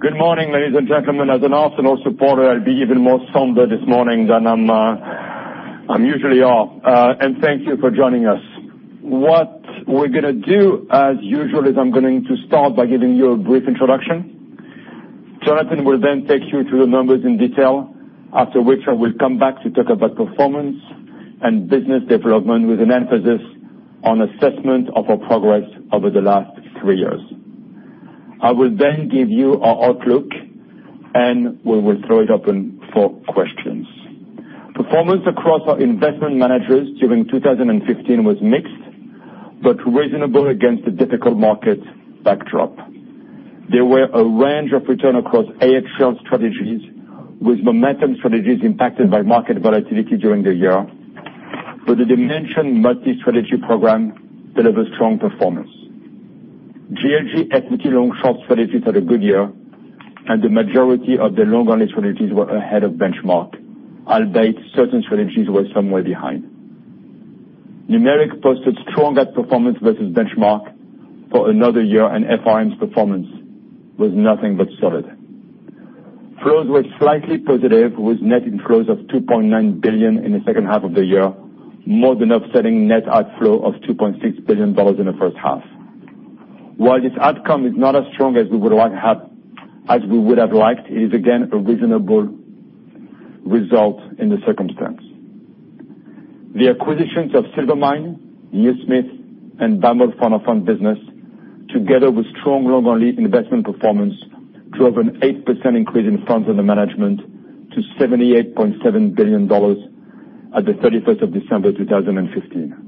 Good morning, ladies and gentlemen. As an Arsenal supporter, I'll be even more somber this morning than I'm usually are. Thank you for joining us. What we're going to do, as usual, is I'm going to start by giving you a brief introduction. Jonathan will then take you through the numbers in detail, after which I will come back to talk about performance and business development, with an emphasis on assessment of our progress over the last three years. I will then give you our outlook, we will throw it open for questions. Performance across our investment managers during 2015 was mixed, reasonable against a difficult market backdrop. There were a range of return across AHL strategies, with momentum strategies impacted by market volatility during the year. The AHL Dimension Programme delivered strong performance. GLG equity long-short strategies had a good year, the majority of the long-only strategies were ahead of benchmark, albeit certain strategies were somewhere behind. Numeric posted strong outperformance versus benchmark for another year, FRM's performance was nothing but solid. Flows were slightly positive, with net inflows of $2.9 billion in the second half of the year, more than offsetting net outflow of $2.6 billion in the first half. While this outcome is not as strong as we would have liked, it is again a reasonable result in the circumstance. The acquisitions of Silvermine, NewSmith, BAML Fund of Fund business, together with strong long-only investment performance, drove an 8% increase in funds under management to $78.7 billion at the 31st of December 2015.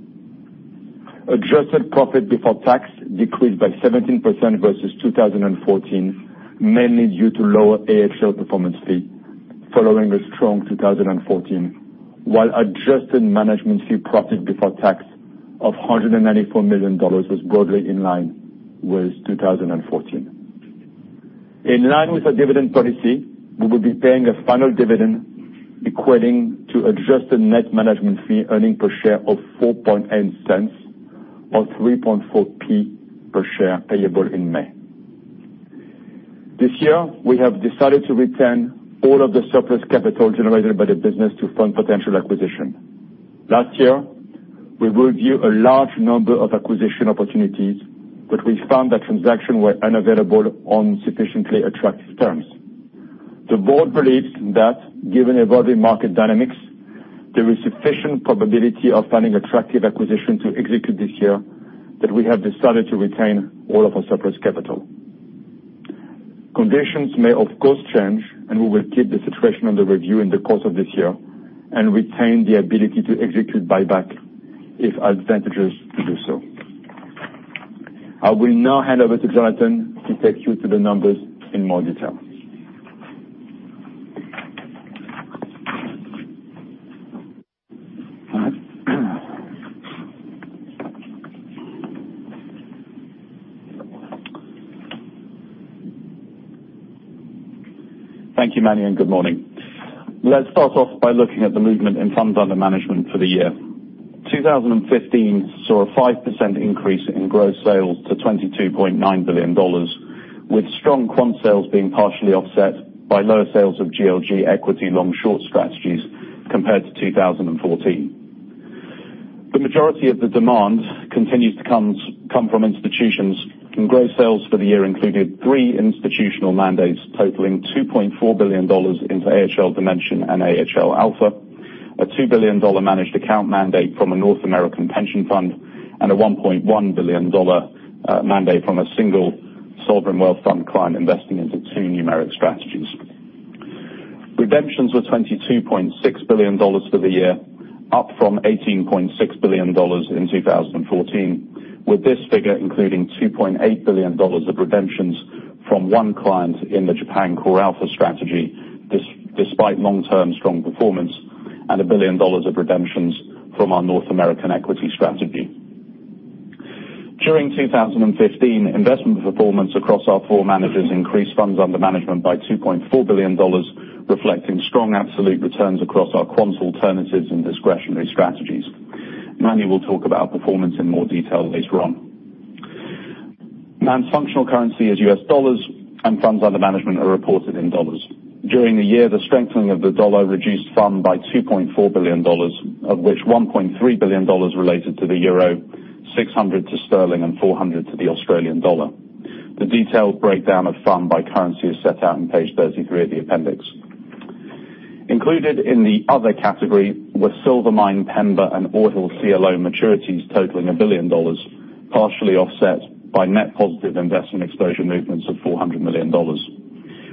Adjusted profit before tax decreased by 17% versus 2014, mainly due to lower AHL performance fee following a strong 2014, while adjusted management fee profit before tax of $194 million was broadly in line with 2014. In line with our dividend policy, we will be paying a final dividend equating to adjusted net management fee earning per share of $0.048 or 0.034 per share payable in May. This year, we have decided to retain all of the surplus capital generated by the business to fund potential acquisition. Last year, we reviewed a large number of acquisition opportunities, we found that transaction were unavailable on sufficiently attractive terms. The board believes that given evolving market dynamics, there is sufficient probability of finding attractive acquisition to execute this year, that we have decided to retain all of our surplus capital. Conditions may, of course, change, and we will keep the situation under review in the course of this year and retain the ability to execute buyback if advantageous to do so. I will now hand over to Jonathan to take you through the numbers in more detail. Thank you, Manny, and good morning. Let's start off by looking at the movement in funds under management for the year. 2015 saw a 5% increase in gross sales to $22.9 billion, with strong quant sales being partially offset by lower sales of GLG equity long-short strategies compared to 2014. The majority of the demand continues to come from institutions, and gross sales for the year included three institutional mandates totaling $2.4 billion into AHL Dimension and AHL Alpha, a $2 billion managed account mandate from a North American pension fund, and a $1.1 billion mandate from a single sovereign wealth fund client investing into two Numeric strategies. Redemptions were $22.6 billion for the year, up from $18.6 billion in 2014, with this figure including $2.8 billion of redemptions from one client in the Japan CoreAlpha strategy, despite long-term strong performance and $1 billion of redemptions from our North American equity strategy. During 2015, investment performance across our four managers increased funds under management by $2.4 billion, reflecting strong absolute returns across our quants alternatives and discretionary strategies. Manny will talk about performance in more detail later on. Man's functional currency is US dollars, and funds under management are reported in dollars. During the year, the strengthening of the dollar reduced fund by $2.4 billion, of which EUR 1.3 billion related to the euro, 600 to sterling and 400 to the Australian dollar. The detailed breakdown of fund by currency is set out on page 33 of the appendix. Included in the other category were Silvermine, Pemba and Ore Hill CLO maturities totaling $1 billion, partially offset by net positive investment exposure movements of $400 million.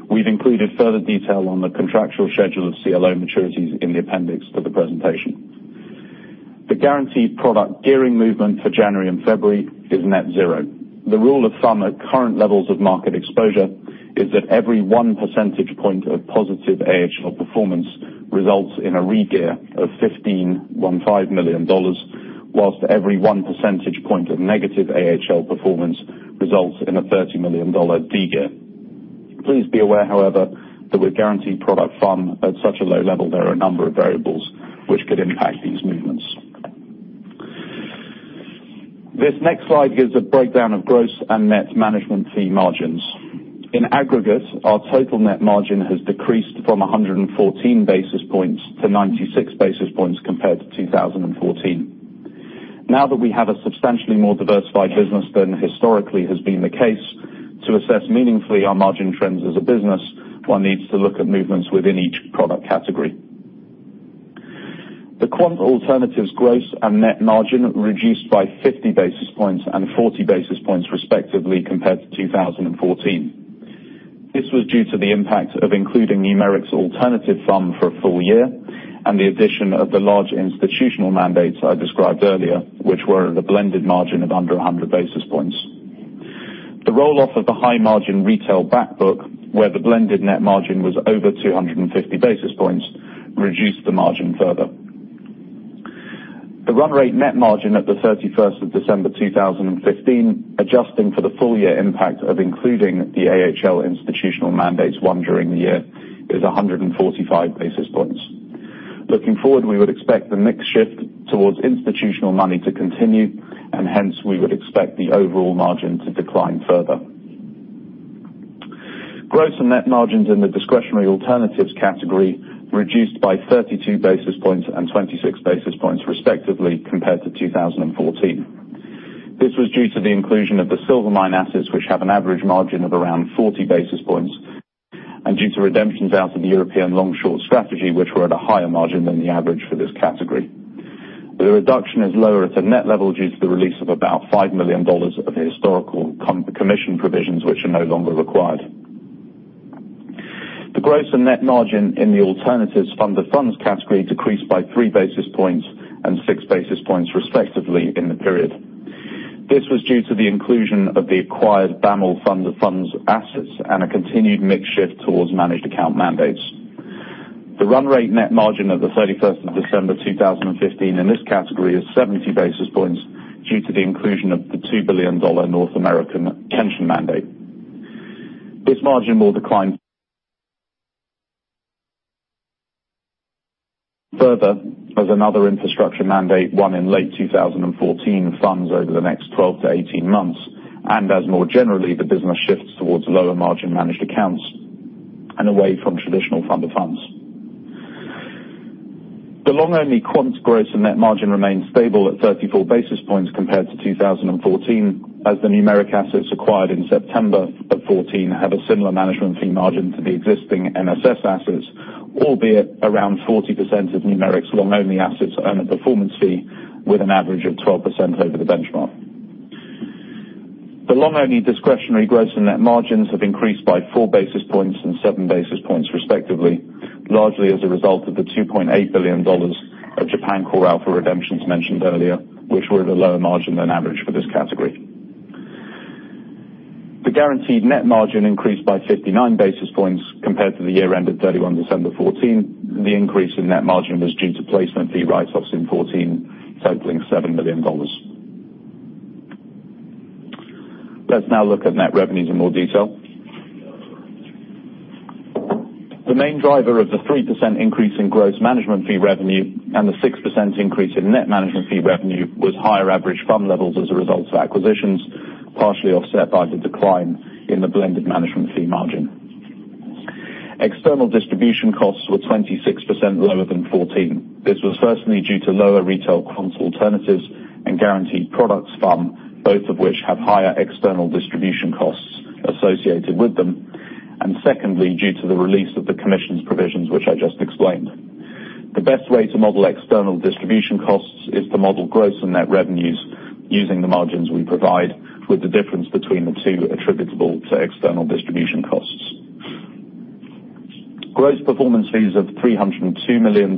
We've included further detail on the contractual schedule of CLO maturities in the appendix to the presentation. The guaranteed product gearing movement for January and February is net zero. The rule of thumb at current levels of market exposure is that every one percentage point of positive AHL performance results in a re-gear of $15.15 million, whilst every one percentage point of negative AHL performance results in a $30 million de-gear. Please be aware, however, that with guaranteed product fund at such a low level, there are a number of variables which could impact these movements. This next slide gives a breakdown of gross and net management fee margins. In aggregate, our total net margin has decreased from 114 basis points to 96 basis points compared to 2014. Now that we have a substantially more diversified business than historically has been the case, to assess meaningfully our margin trends as a business, one needs to look at movements within each product category. The quant alternatives gross and net margin reduced by 50 basis points and 40 basis points respectively compared to 2014. This was due to the impact of including Numeric Alternative Fund for a full year, and the addition of the large institutional mandates I described earlier, which were at a blended margin of under 100 basis points. The roll-off of the high-margin retail back book, where the blended net margin was over 250 basis points, reduced the margin further. The run rate net margin at the 31st of December 2015, adjusting for the full year impact of including the AHL institutional mandates won during the year, is 145 basis points. Looking forward, we would expect the mix shift towards institutional money to continue. Hence we would expect the overall margin to decline further. Gross and net margins in the discretionary alternatives category reduced by 32 basis points and 26 basis points respectively compared to 2014. This was due to the inclusion of the Silvermine assets, which have an average margin of around 40 basis points, and due to redemptions out of the European long-short strategy, which were at a higher margin than the average for this category. The reduction is lower at a net level due to the release of about $5 million of historical commission provisions, which are no longer required. The gross and net margin in the alternatives fund of funds category decreased by three basis points and six basis points respectively in the period. This was due to the inclusion of the acquired BAML fund of funds assets and a continued mix shift towards managed account mandates. The run rate net margin at the 31st of December 2015 in this category is 70 basis points due to the inclusion of the $2 billion North American pension mandate. This margin will decline further as another infrastructure mandate won in late 2014 funds over the next 12 to 18 months. As more generally, the business shifts towards lower margin managed accounts and away from traditional fund of funds. The long-only quants gross and net margin remained stable at 34 basis points compared to 2014, as the Numeric assets acquired in September of 2014 have a similar management fee margin to the existing NSS assets, albeit around 40% of Numeric long-only assets earn a performance fee with an average of 12% over the benchmark. The long-only discretionary gross and net margins have increased by four basis points and seven basis points respectively, largely as a result of the $2.8 billion of Japan CoreAlpha redemptions mentioned earlier, which were at a lower margin than average for this category. The guaranteed net margin increased by 59 basis points compared to the year end of 31 December 2014. The increase in net margin was due to placement fee write-offs in 2014 totaling $7 million. Let's now look at net revenues in more detail. The main driver of the 3% increase in gross management fee revenue and the 6% increase in net management fee revenue was higher average fund levels as a result of acquisitions, partially offset by the decline in the blended management fee margin. External distribution costs were 26% lower than 2014. This was firstly due to lower retail quant alternatives and guaranteed products fund, both of which have higher external distribution costs associated with them. Secondly, due to the release of the commissions provisions, which I just explained. The best way to model external distribution costs is to model gross and net revenues using the margins we provide, with the difference between the two attributable to external distribution costs. Gross performance fees of $302 million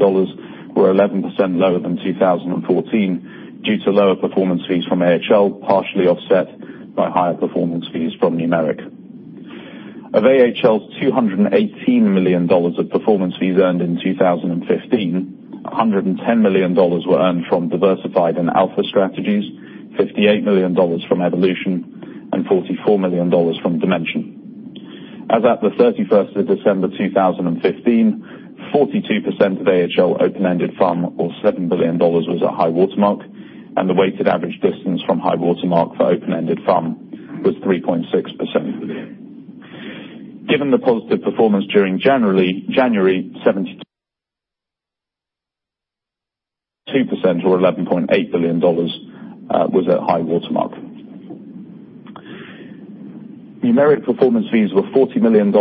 were 11% lower than 2014 due to lower performance fees from AHL, partially offset by higher performance fees from Numeric. Of AHL's $218 million of performance fees earned in 2015, $110 million were earned from diversified and alpha strategies, $58 million from Evolution, and $44 million from Dimension. As at the 31st of December 2015, 42% of AHL open-ended fund, or $7 billion, was at high-water mark, and the weighted average distance from high-water mark for open-ended fund was 3.6%. Given the positive performance during January, 72% or $11.8 billion was at high-water mark. Numeric performance fees were $40 million,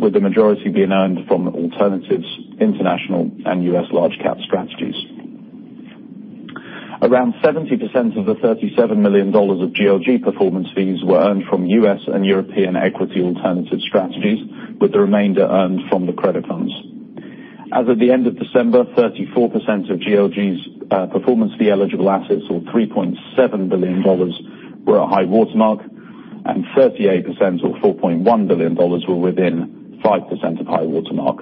with the majority being earned from alternatives, international, and U.S. large cap strategies. Around 70% of the $37 million of GLG performance fees were earned from U.S. and European equity alternative strategies, with the remainder earned from the credit funds. As of the end of December, 34% of GLG's performance fee eligible assets, or $3.7 billion, were at high-water mark, and 38% or $4.1 billion were within 5% of high-water mark.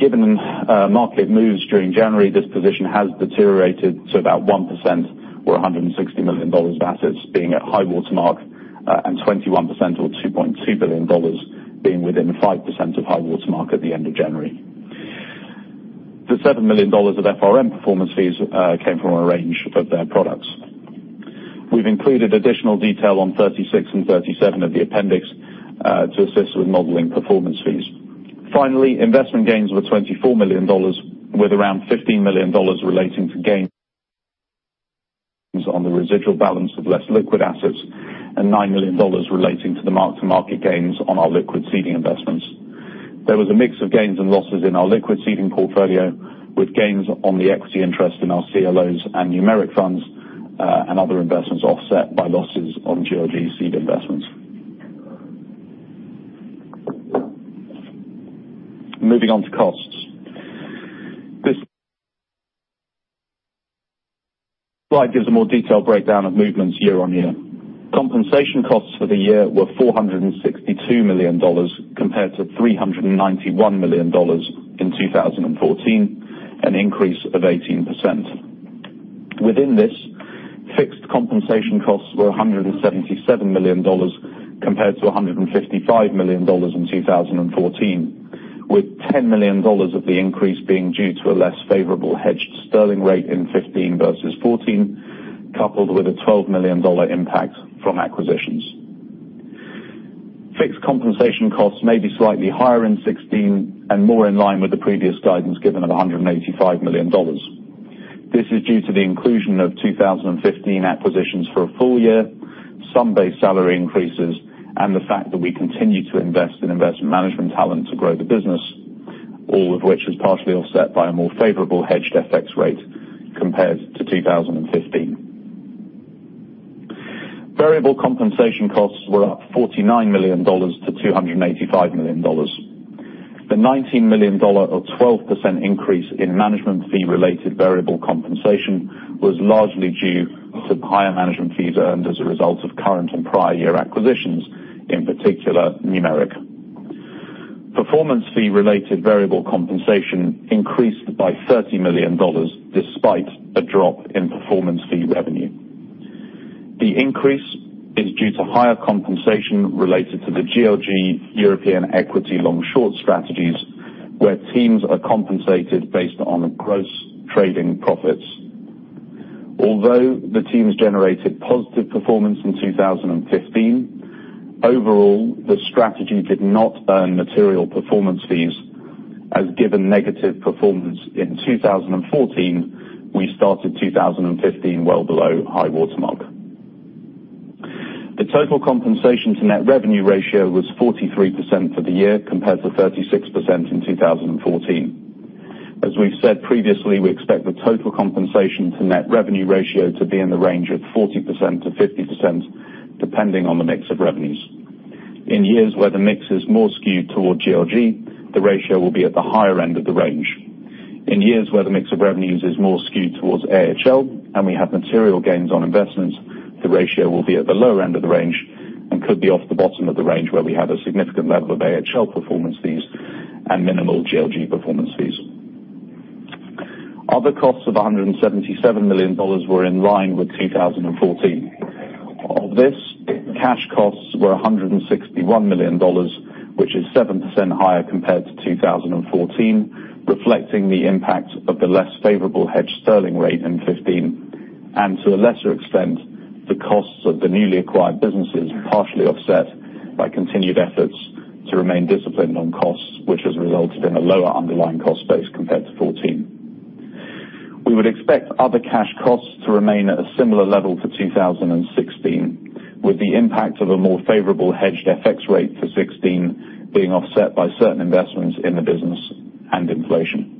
Given market moves during January, this position has deteriorated to about 1%, or $160 million of assets being at high-water mark, and 21% or $2.2 billion being within 5% of high-water mark at the end of January. The $7 million of FRM performance fees came from a range of their products. We've included additional detail on 36 and 37 of the appendix to assist with modeling performance fees. Finally, investment gains were $24 million, with around $15 million relating to gains on the residual balance of less liquid assets and $9 million relating to the mark-to-market gains on our liquid seeding investments. There was a mix of gains and losses in our liquid seeding portfolio, with gains on the equity interest in our CLOs and Numeric funds and other investments offset by losses on GLG seed investments. Moving on to costs. This slide gives a more detailed breakdown of movements year-over-year. Compensation costs for the year were $462 million compared to $391 million in 2014, an increase of 18%. Within this, fixed compensation costs were $177 million compared to $155 million in 2014, with $10 million of the increase being due to a less favorable hedged GBP rate in 2015 versus 2014, coupled with a $12 million impact from acquisitions. Fixed compensation costs may be slightly higher in 2016 and more in line with the previous guidance given of $185 million. This is due to the inclusion of 2015 acquisitions for a full year, some base salary increases, and the fact that we continue to invest in investment management talent to grow the business, all of which is partially offset by a more favorable hedged FX rate compared to 2015. Variable compensation costs were up $49 million to $285 million. The $19 million or 12% increase in management fee-related variable compensation was largely due to higher management fees earned as a result of current and prior year acquisitions, in particular, Numeric. Performance fee-related variable compensation increased by $30 million, despite a drop in performance fee revenue. The increase is due to higher compensation related to the GLG European equity long-short strategies, where teams are compensated based on gross trading profits. Although the teams generated positive performance in 2015, overall, the strategy did not earn material performance fees, as given negative performance in 2014, we started 2015 well below high-water mark. The total compensation to net revenue ratio was 43% for the year compared to 36% in 2014. We've said previously, we expect the total compensation to net revenue ratio to be in the range of 40%-50%, depending on the mix of revenues. In years where the mix is more skewed towards GLG, the ratio will be at the higher end of the range. In years where the mix of revenues is more skewed towards AHL and we have material gains on investments, the ratio will be at the lower end of the range and could be off the bottom of the range where we have a significant level of AHL performance fees and minimal GLG performance fees. Other costs of $177 million were in line with 2014. Of this, cash costs were $161 million, which is 7% higher compared to 2014, reflecting the impact of the less favorable hedged GBP rate in 2015, and to a lesser extent, the costs of the newly acquired businesses, partially offset by continued efforts to remain disciplined on costs, which has resulted in a lower underlying cost base compared to 2014. We would expect other cash costs to remain at a similar level to 2016, with the impact of a more favorable hedged FX rate for 2016 being offset by certain investments in the business and inflation.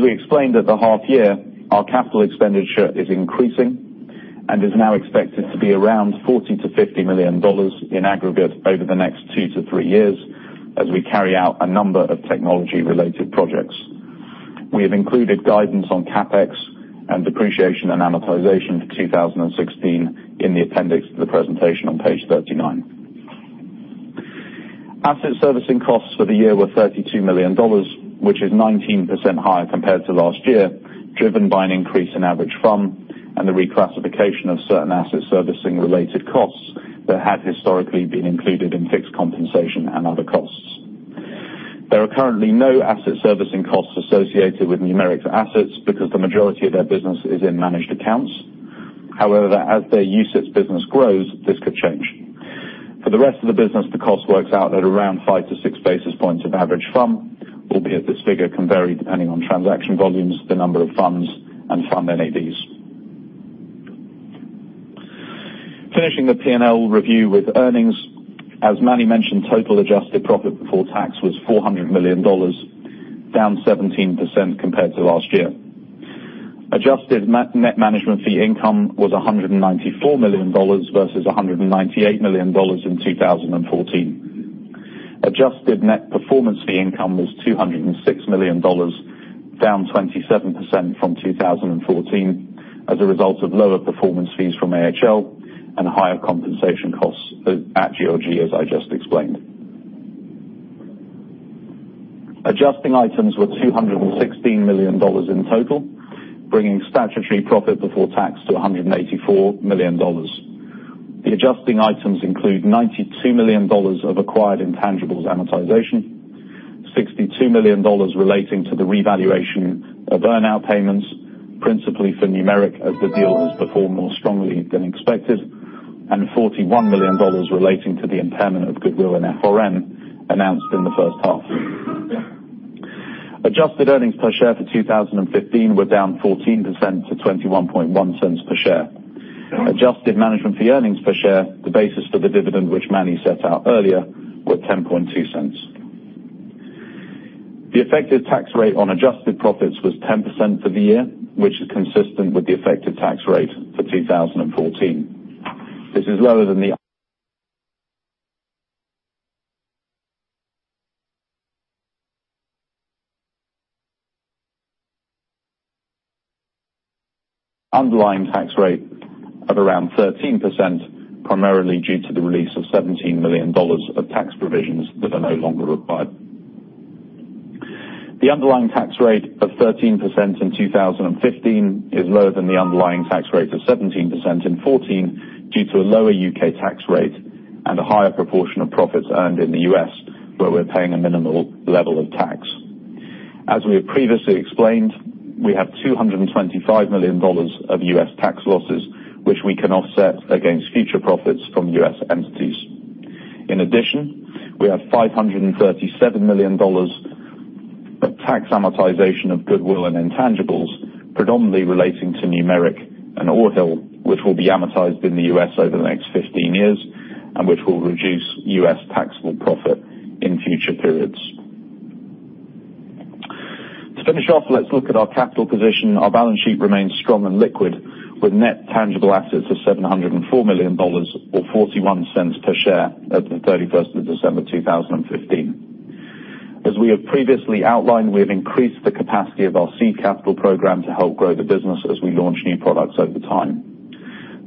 We explained at the half year, our CapEx is increasing and is now expected to be around $40 million-$50 million in aggregate over the next two to three years as we carry out a number of technology-related projects. We have included guidance on CapEx and depreciation and amortization for 2016 in the appendix to the presentation on page 39. Asset servicing costs for the year were $32 million, which is 19% higher compared to last year, driven by an increase in average fund and the reclassification of certain asset servicing related costs that had historically been included in fixed compensation and other costs. There are currently no asset servicing costs associated with Numeric assets because the majority of their business is in managed accounts. However, as their usage business grows, this could change. For the rest of the business, the cost works out at around five to six basis points of average fund, albeit this figure can vary depending on transaction volumes, the number of funds, and fund NAVs. Finishing the P&L review with earnings. Manny mentioned, total adjusted profit before tax was $400 million, down 17% compared to last year. Adjusted net management fee income was $194 million versus $198 million in 2014. Adjusted net performance fee income was $206 million, down 27% from 2014 as a result of lower performance fees from AHL and higher compensation costs at GLG, as I just explained. Adjusting items were $216 million in total, bringing statutory profit before tax to $184 million. The adjusting items include $92 million of acquired intangibles amortization, $62 million relating to the revaluation of earn-out payments, principally for Numeric as the deal has performed more strongly than expected, and $41 million relating to the impairment of goodwill in FRM announced in the first half. Adjusted earnings per share for 2015 were down 14% to $0.211 per share. Adjusted management fee earnings per share, the basis for the dividend, which Manny set out earlier, were $0.102. The effective tax rate on adjusted profits was 10% for the year, which is consistent with the effective tax rate for 2014. This is lower than the underlying tax rate of around 13%, primarily due to the release of $17 million of tax provisions that are no longer required. The underlying tax rate of 13% in 2015 is lower than the underlying tax rate of 17% in 2014, due to a lower U.K. tax rate and a higher proportion of profits earned in the U.S., where we're paying a minimal level of tax. As we have previously explained, we have $225 million of U.S. tax losses, which we can offset against future profits from U.S. entities. In addition, we have $537 million of tax amortization of goodwill and intangibles, predominantly relating to Numeric and Ore Hill, which will be amortized in the U.S. over the next 15 years, and which will reduce U.S. taxable profit in future periods. To finish off, let's look at our capital position. Our balance sheet remains strong and liquid, with net tangible assets of $704 million, or $0.41 per share at the 31st of December 2015. As we have previously outlined, we have increased the capacity of our seed capital program to help grow the business as we launch new products over time.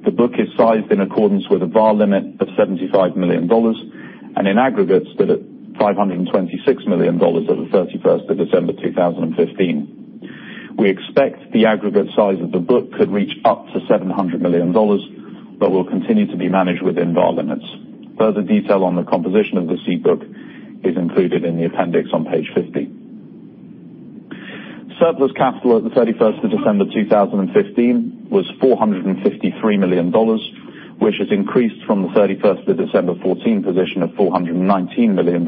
The book is sized in accordance with a VaR limit of $75 million, and in aggregate stood at $526 million at the 31st of December 2015. We expect the aggregate size of the book could reach up to $700 million, but will continue to be managed within VaR limits. Further detail on the composition of the seed book is included in the appendix on page 50. Surplus capital at the 31st of December 2015 was $453 million, which has increased from the 31st of December 2014 position of $419 million,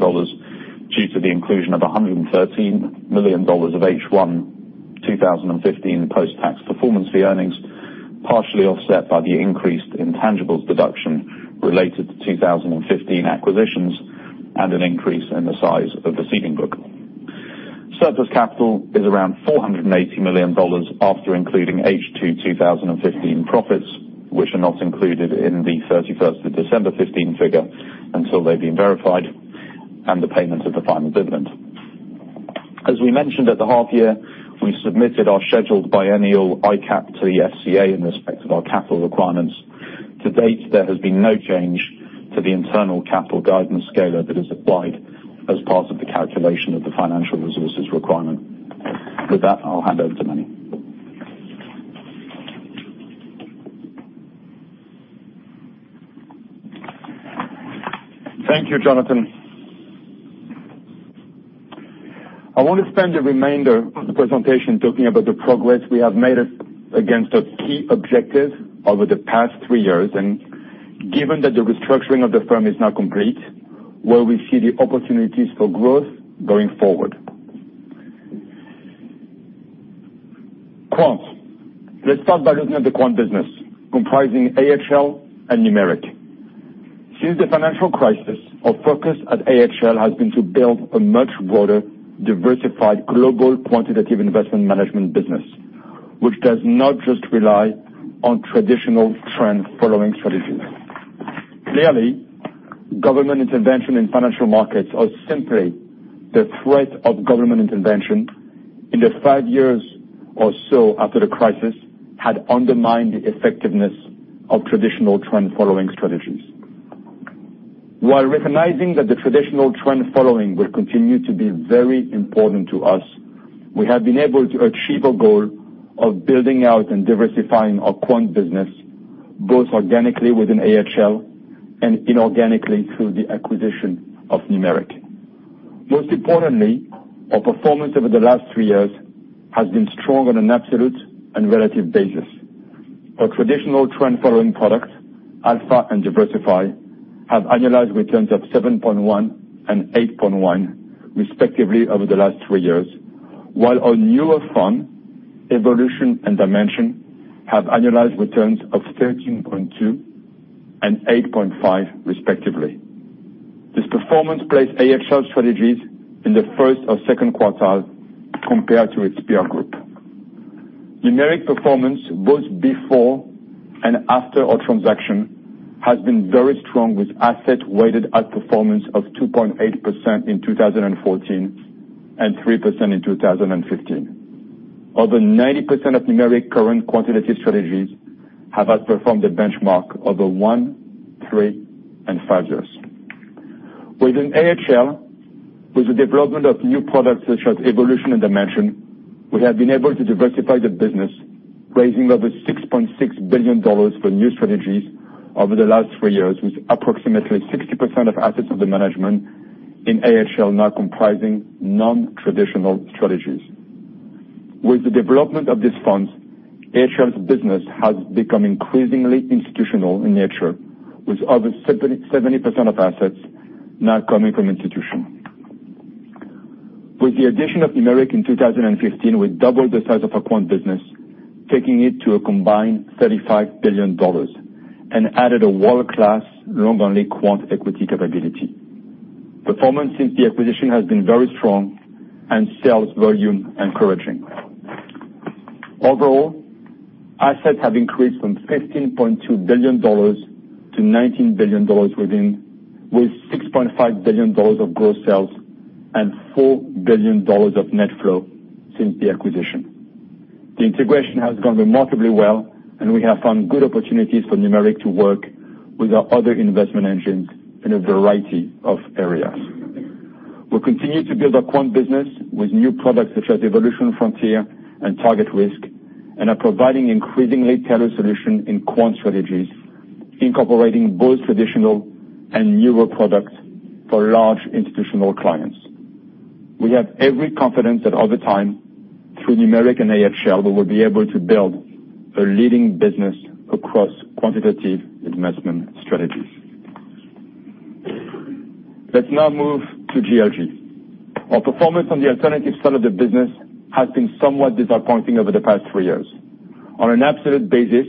due to the inclusion of $113 million of H1 2015 post-tax performance fee earnings, partially offset by the increased intangibles deduction related to 2015 acquisitions, and an increase in the size of the seeding book. Surplus capital is around $480 million after including H2 2015 profits, which are not included in the 31st of December 2015 figure until they've been verified, and the payment of the final dividend. As we mentioned at the half year, we submitted our scheduled biennial ICAAP to the FCA in respect of our capital requirements. To date, there has been no change to the internal capital guidance scalar that is applied as part of the calculation of the financial resources requirement. With that, I'll hand over to Manny. Thank you, Jonathan. I want to spend the remainder of the presentation talking about the progress we have made against our key objectives over the past three years, and given that the restructuring of the firm is now complete, where we see the opportunities for growth going forward. Quant. Let's start by looking at the quant business, comprising AHL and Numeric. Since the financial crisis, our focus at AHL has been to build a much broader, diversified global quantitative investment management business, which does not just rely on traditional trend following strategies. Clearly, government intervention in financial markets, or simply the threat of government intervention, in the five years or so after the crisis had undermined the effectiveness of traditional trend following strategies. While recognizing that the traditional trend following will continue to be very important to us, we have been able to achieve a goal of building out and diversifying our quant business, both organically within AHL and inorganically through the acquisition of Numeric. Most importantly, our performance over the last three years has been strong on an absolute and relative basis. Our traditional trend following products, Alpha and Diversify, have annualized returns of 7.1 and 8.1 respectively over the last three years, while our newer fund, Evolution and Dimension, have annualized returns of 13.2 and 8.5 respectively. This performance placed AHL strategies in the first or second quartile compared to its peer group. Numeric performance, both before and after our transaction, has been very strong with asset weighted outperformance of 2.8% in 2014 and 3% in 2015. Over 90% of Numeric current quantitative strategies have outperformed the benchmark over one, three, and five years. Within AHL, with the development of new products such as Evolution and Dimension, we have been able to diversify the business, raising over $6.6 billion for new strategies over the last three years, with approximately 60% of assets under management in AHL now comprising non-traditional strategies. With the development of these funds, AHL's business has become increasingly institutional in nature, with over 70% of assets now coming from institutions. With the addition of Numeric in 2015, we doubled the size of our quant business, taking it to a combined $35 billion, and added a world-class long-only quant equity capability. Performance since the acquisition has been very strong and sales volume encouraging. Overall, assets have increased from $15.2 billion to $19 billion, with $6.5 billion of gross sales and $4 billion of net flow since the acquisition. The integration has gone remarkably well, and we have found good opportunities for Numeric to work with our other investment engines in a variety of areas. We continue to build our quant business with new products such as Evolution Frontier and Target Risk, and are providing increasingly tailored solutions in quant strategies, incorporating both traditional and newer products for large institutional clients. We have every confidence that over time, through Numeric and AHL, we will be able to build a leading business across quantitative investment strategies. Let's now move to GLG. Our performance on the alternatives side of the business has been somewhat disappointing over the past three years. On an absolute basis,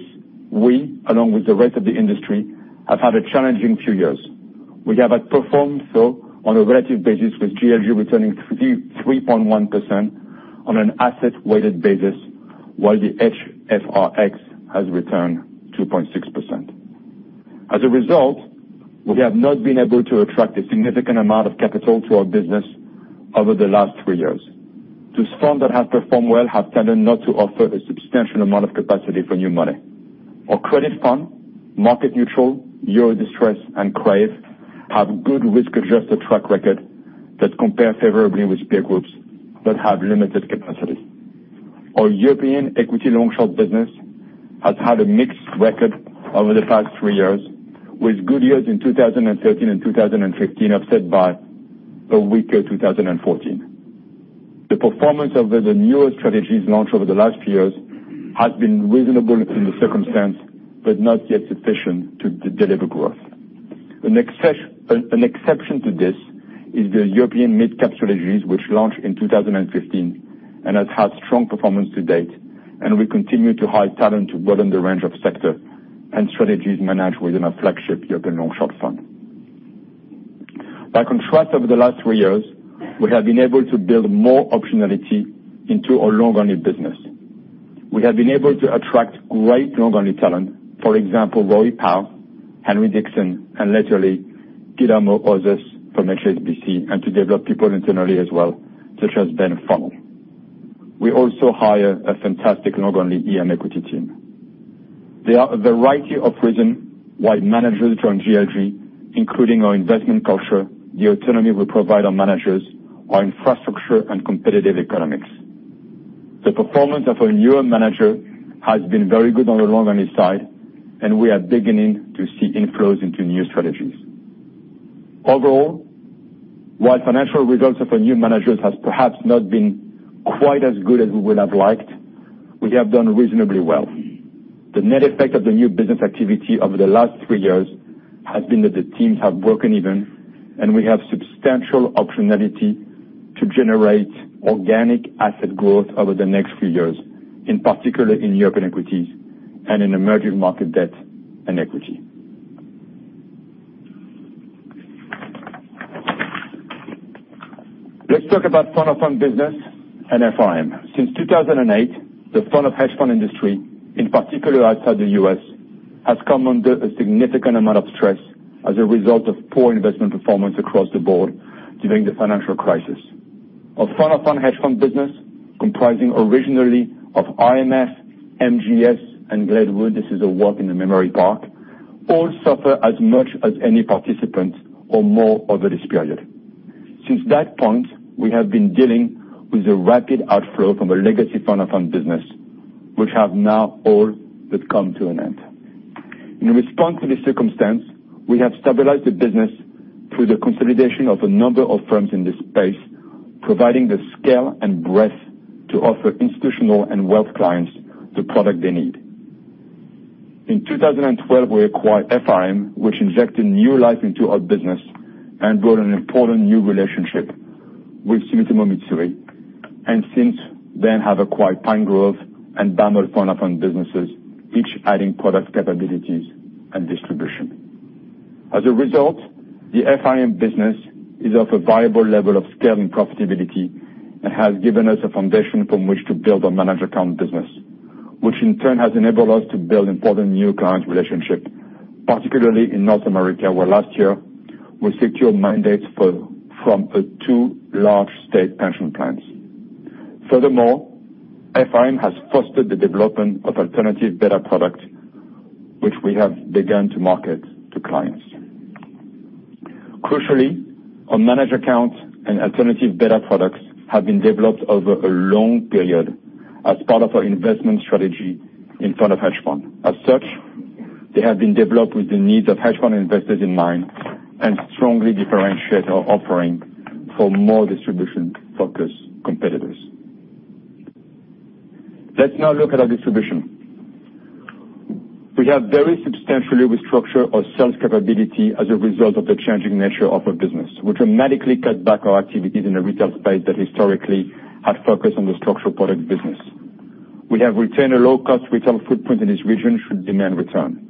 we, along with the rest of the industry, have had a challenging few years. We have outperformed though, on a relative basis, with GLG returning 3.1% on an asset-weighted basis, while the HFRX has returned 2.6%. As a result, we have not been able to attract a significant amount of capital to our business over the last three years. Those funds that have performed well have tended not to offer a substantial amount of capacity for new money. Our credit fund, Market Neutral, Euro Distressed, and Crave have good risk-adjusted track records that compare favorably with peer groups but have limited capacity. Our European equity long/short business has had a mixed record over the past three years, with good years in 2013 and 2015 offset by a weaker 2014. The performance of the newer strategies launched over the last few years has been reasonable given the circumstance but not yet sufficient to deliver growth. An exception to this is the European mid-cap strategies, which launched in 2015 and has had strong performance to date, and we continue to hire talent to broaden the range of sector and strategies managed within our flagship European long/short fund. By contrast, over the last three years, we have been able to build more optionality into our long-only business. We have been able to attract great long-only talent, for example, Rory Powe, Henry Dixon, and lately, Guillermo Osses from HSBC, and to develop people internally as well, such as Ben Follow. We also hired a fantastic long-only EM equity team. There are a variety of reasons why managers join GLG, including our investment culture, the autonomy we provide our managers, our infrastructure, and competitive economics. The performance of our newer managers has been very good on the long-only side, and we are beginning to see inflows into new strategies. Overall, while financial results of our new managers has perhaps not been quite as good as we would have liked, we have done reasonably well. The net effect of the new business activity over the last three years has been that the teams have broken even, and we have substantial optionality to generate organic asset growth over the next few years, in particular in European equities and in emerging market debt and equity. Let's talk about fund of fund business and FRM. Since 2008, the fund of hedge fund industry, in particular outside the U.S., has come under a significant amount of stress as a result of poor investment performance across the board during the financial crisis. Our fund of hedge fund business, comprising originally of IMS, MGS, and Glenwood, this is a walk in the memory park, all suffer as much as any participant or more over this period. Since that point, we have been dealing with a rapid outflow from a legacy fund of fund business, which have now all but come to an end. In response to this circumstance, we have stabilized the business through the consolidation of a number of firms in this space, providing the scale and breadth to offer institutional and wealth clients the product they need. In 2012, we acquired FRM, which injected new life into our business and built an important new relationship with Sumitomo Mitsui. Since then, have acquired Pine Grove and Daniel Fund of Fund businesses, each adding product capabilities and distribution. As a result, the FRM business is of a viable level of scale and profitability and has given us a foundation from which to build our manager account business, which in turn has enabled us to build important new client relationships, particularly in North America, where last year we secured mandates from two large state pension plans. Furthermore, FRM has fostered the development of alternative beta product, which we have begun to market to clients. Crucially, our managed accounts and alternative beta products have been developed over a long period as part of our investment strategy in front of hedge fund. As such, they have been developed with the needs of hedge fund investors in mind, strongly differentiate our offering for more distribution-focused competitors. Let's now look at our distribution. We have very substantially restructured our sales capability as a result of the changing nature of our business. We dramatically cut back our activities in the retail space that historically had focused on the structured product business. We have retained a low-cost retail footprint in this region should demand return.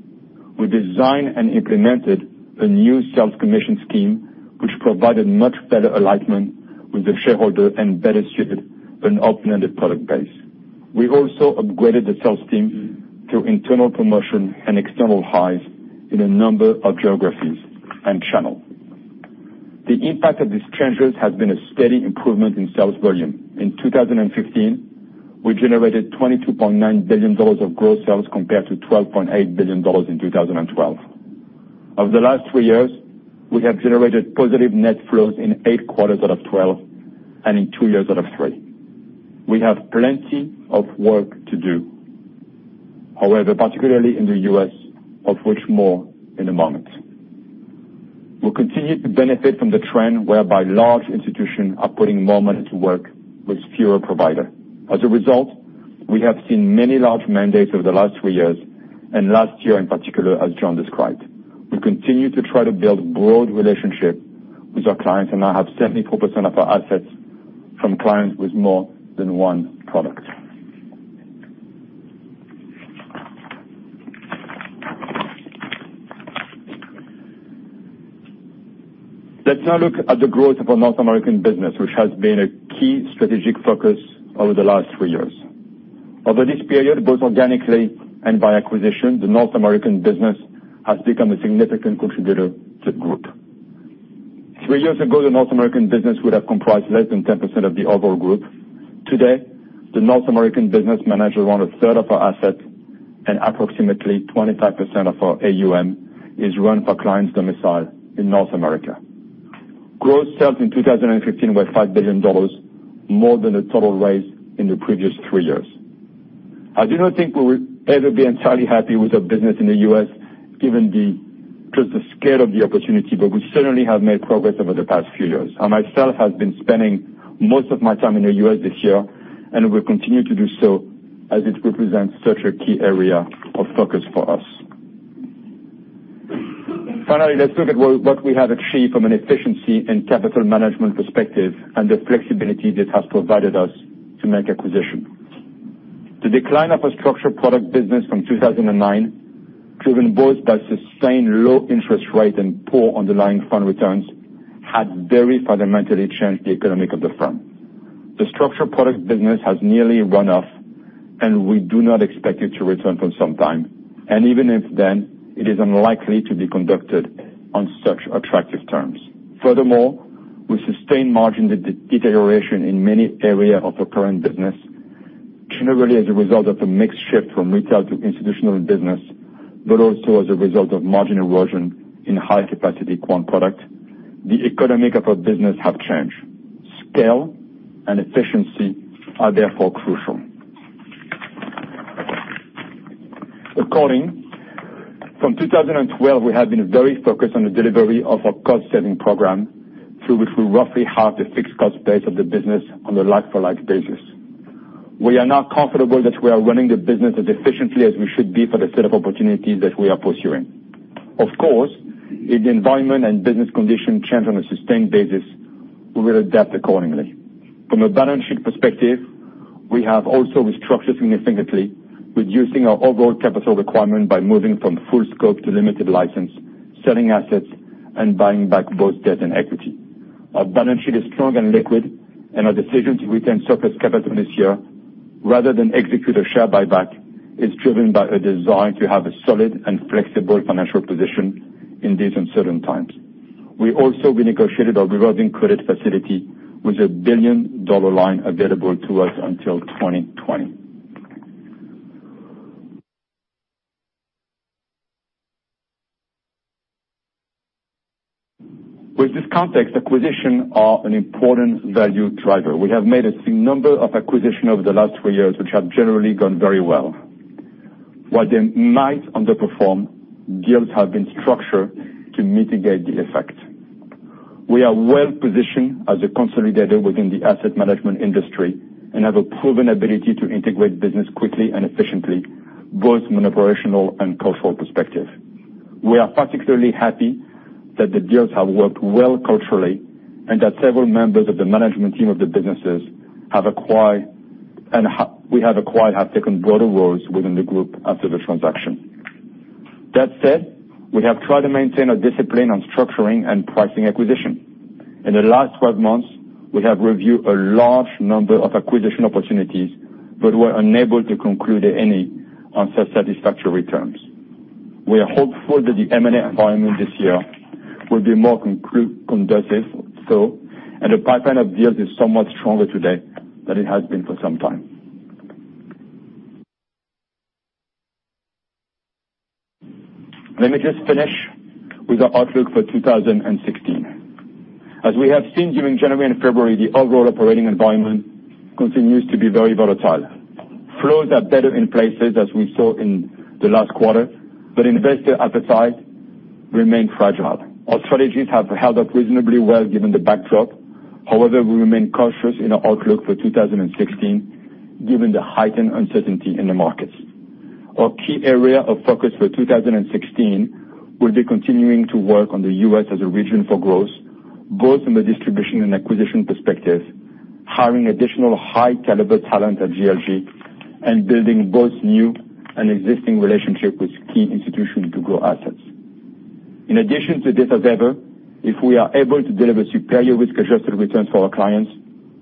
We designed and implemented a new sales commission scheme, which provided much better alignment with the shareholder and better suited an open-ended product base. We also upgraded the sales team through internal promotion and external hires in a number of geographies and channels. The impact of these changes has been a steady improvement in sales volume. In 2015, we generated $22.9 billion of gross sales compared to $12.8 billion in 2012. Over the last three years, we have generated positive net flows in 8 quarters out of 12, and in 2 years out of 3. We have plenty of work to do. However, particularly in the U.S., of which more in a moment. We'll continue to benefit from the trend whereby large institutions are putting more money to work with fewer providers. As a result, we have seen many large mandates over the last three years, and last year in particular, as John described. We continue to try to build broad relationships with our clients and now have 74% of our assets from clients with more than one product. Let's now look at the growth of our North American business, which has been a key strategic focus over the last three years. Over this period, both organically and by acquisition, the North American business has become a significant contributor to the group. 3 years ago, the North American business would have comprised less than 10% of the overall group. Today, the North American business manages one third of our assets and approximately 25% of our AUM is run for clients domiciled in North America. Gross sales in 2015 were $5 billion, more than the total raised in the previous 3 years. I do not think we will ever be entirely happy with our business in the U.S. given the scale of the opportunity, but we certainly have made progress over the past few years. I myself have been spending most of my time in the U.S. this year, and will continue to do so as it represents such a key area of focus for us. Finally, let's look at what we have achieved from an efficiency and capital management perspective and the flexibility that has provided us to make acquisitions. The decline of our structured product business from 2009, driven both by sustained low interest rates and poor underlying fund returns, had very fundamentally changed the economics of the firm. The structured product business has nearly run off, and we do not expect it to return for some time. Even if then, it is unlikely to be conducted on such attractive terms. Furthermore, we sustained margin deterioration in many areas of our current business, generally as a result of the mix shift from retail to institutional business, but also as a result of margin erosion in high-capacity quant product. The economics of our business have changed. Scale and efficiency are therefore crucial. Accordingly, from 2012, we have been very focused on the delivery of our cost-saving program, through which we roughly halved the fixed cost base of the business on a like-for-like basis. We are now comfortable that we are running the business as efficiently as we should be for the set of opportunities that we are pursuing. Of course, if the environment and business conditions change on a sustained basis, we will adapt accordingly. From a balance sheet perspective, we have also restructured significantly, reducing our overall capital requirement by moving from full scope to limited license, selling assets, and buying back both debt and equity. Our balance sheet is strong and liquid, and our decision to retain surplus capital this year, rather than execute a share buyback, is driven by a desire to have a solid and flexible financial position in these uncertain times. We also renegotiated our revolving credit facility with a billion-dollar line available to us until 2020. With this context, acquisitions are an important value driver. We have made a number of acquisitions over the last three years, which have generally gone very well. While they might underperform, deals have been structured to mitigate the effect. We are well-positioned as a consolidator within the asset management industry and have a proven ability to integrate business quickly and efficiently, both from an operational and cultural perspective. We are particularly happy that the deals have worked well culturally and that several members of the management team of the businesses we have acquired have taken broader roles within the group after the transaction. That said, we have tried to maintain a discipline on structuring and pricing acquisition. In the last 12 months, we have reviewed a large number of acquisition opportunities, but were unable to conclude any on such satisfactory terms. We are hopeful that the M&A environment this year will be more conducive. The pipeline of deals is somewhat stronger today than it has been for some time. Let me just finish with our outlook for 2016. As we have seen during January and February, the overall operating environment continues to be very volatile. Flows are better in places, as we saw in the last quarter, but investor appetite remains fragile. Our strategies have held up reasonably well given the backdrop. However, we remain cautious in our outlook for 2016 given the heightened uncertainty in the markets. Our key area of focus for 2016 will be continuing to work on the U.S. as a region for growth, both from a distribution and acquisition perspective, hiring additional high-caliber talent at GLG, and building both new and existing relationship with key institutions to grow assets. In addition to this, as ever, if we are able to deliver superior risk-adjusted returns for our clients,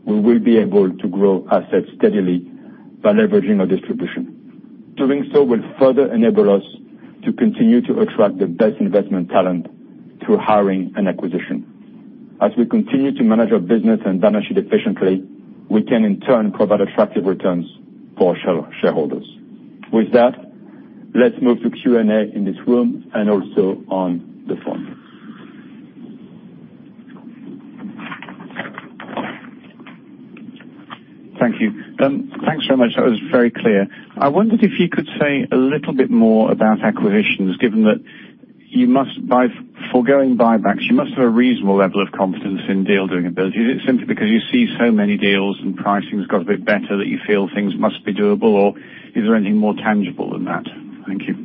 we will be able to grow assets steadily by leveraging our distribution. Doing so will further enable us to continue to attract the best investment talent through hiring and acquisition. As we continue to manage our business and balance sheet efficiently, we can in turn provide attractive returns for our shareholders. With that, let's move to Q&A in this room and also on the phone. Thank you. Thanks so much. That was very clear. I wondered if you could say a little bit more about acquisitions, given that by foregoing buybacks, you must have a reasonable level of confidence in deal-doing ability. Is it simply because you see so many deals and pricing's got a bit better that you feel things must be doable, or is there anything more tangible than that? Thank you.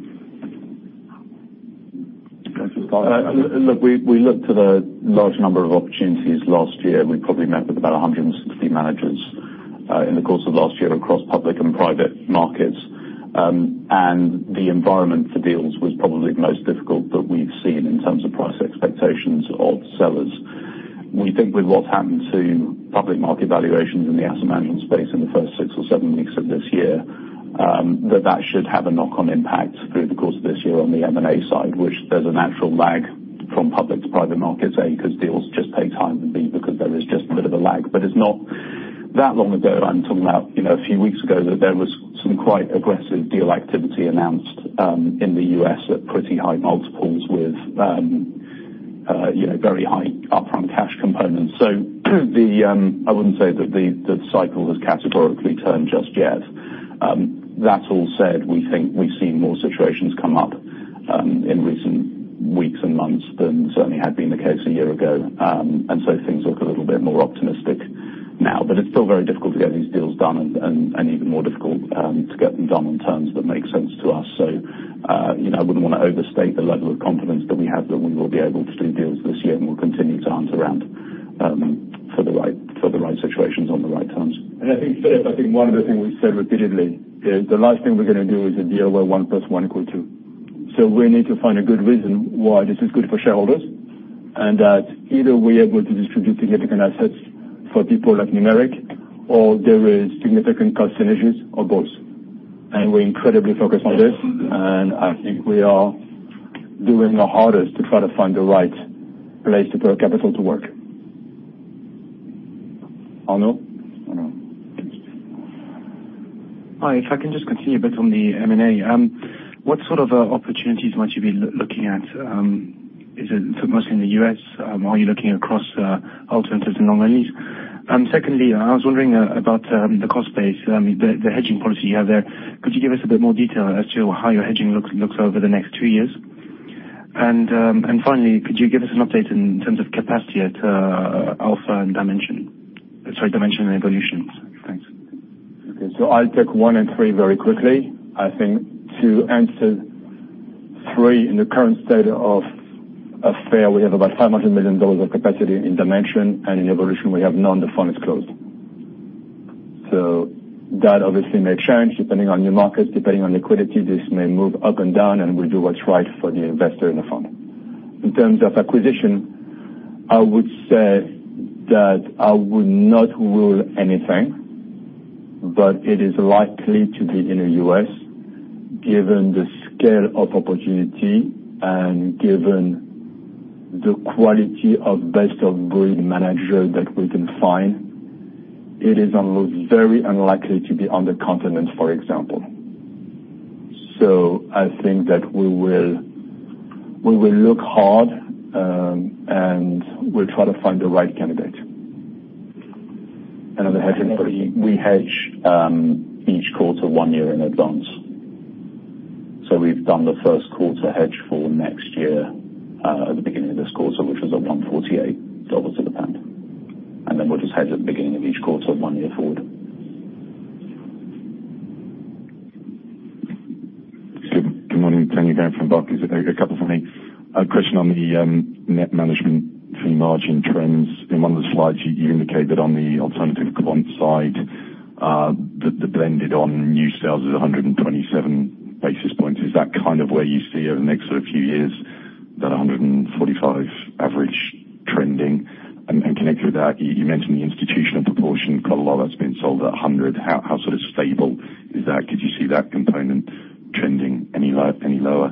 Do you want to start? Look, we looked at a large number of opportunities last year. We probably met with about 160 managers in the course of last year across public and private markets. The environment for deals was probably the most difficult that we've seen in terms of price expectations of sellers. We think with what's happened to public market valuations in the asset management space in the first six or seven weeks of this year, that that should have a knock-on impact through the course of this year on the M&A side, which there's a natural lag from public to private markets. A, because deals just take time, and B, because there is just a bit of a lag. It's not that long ago, I'm talking about a few weeks ago, that there was some quite aggressive deal activity announced in the U.S. at pretty high multiples with very high upfront cash components. I wouldn't say that the cycle has categorically turned just yet. That all said, we think we've seen more situations come up in recent weeks and months than certainly had been the case a year ago. Things look a little bit more optimistic now. It's still very difficult to get these deals done and even more difficult to get them done on terms that make sense to us. I wouldn't want to overstate the level of confidence that we have that we will be able to do deals this year, and we'll continue to hunt around for the right situations on the right terms. I think, Philip, I think one of the things we've said repeatedly is the last thing we're going to do is a deal where one plus one equal two. We need to find a good reason why this is good for shareholders, and that either we're able to distribute significant assets for people like Numeric, or there is significant cost synergies or both. We're incredibly focused on this, and I think we are doing our hardest to try to find the right place to put our capital to work. Arnaud? Arnaud. Hi, if I can just continue a bit on the M&A. What sort of opportunities might you be looking at? Is it mostly in the U.S.? Are you looking across alternatives and long-onlys? Secondly, I was wondering about the cost base, the hedging policy you have there. Could you give us a bit more detail as to how your hedging looks over the next two years? Finally, could you give us an update in terms of capacity at Alpha and Dimension? Sorry, Dimension and Evolutions. Thanks. Okay. I'll take one and three very quickly. I think to answer three, in the current state of affair, we have about $500 million of capacity in Dimension, and in Evolution, we have none. The fund is closed. That obviously may change depending on new markets, depending on liquidity. This may move up and down, and we'll do what's right for the investor in the fund. In terms of acquisition, I would say that I would not rule anything, but it is likely to be in the U.S., given the scale of opportunity and given the quality of best-of-breed manager that we can find. It is almost very unlikely to be on the continent, for example. I think that we will look hard, and we'll try to find the right candidate. On the hedging policy? We hedge each quarter one year in advance. We've done the first quarter hedge for next year at the beginning of this quarter, which was at 1.48 dollars to the pound. Then we'll just hedge at the beginning of each quarter one year forward. Good morning. Tony Gray from Barclays. A couple for me. A question on the net management fee margin trends. In one of the slides, you indicated on the alternative coupon side that the blended on new sales is 127 basis points. Is that kind of where you see over the next sort of few years, that 145 average? Trending. Connected with that, you mentioned the institutional proportion, quite a lot that's been sold at 100. How stable is that? Could you see that component trending any lower?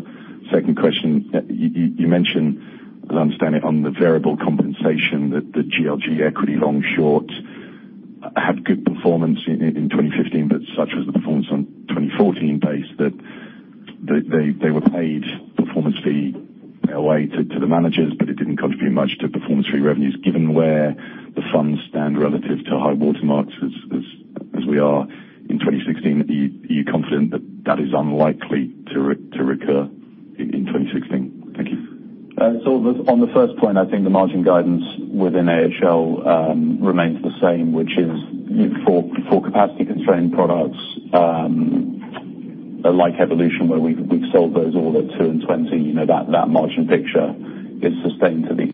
Second question, you mentioned, as I understand it, on the variable compensation that the GLG equity long/short had good performance in 2015, but such was the performance on 2014 base that they were paid performance fee away to the managers, but it didn't contribute much to performance fee revenues. Given where the funds stand relative to high-water marks as we are in 2016, are you confident that that is unlikely to recur in 2016? Thank you. On the first point, I think the margin guidance within AHL remains the same, which is for capacity-constrained products, like Evolution, where we've sold those all at two and 20, that margin picture is sustained to be